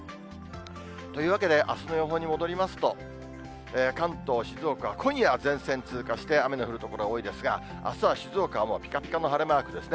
というわけで、あすの予報に戻りますと、関東、静岡は、今夜は前線通過して雨の降る所が多いですが、あすは静岡はもうぴかぴかの晴れマークですね。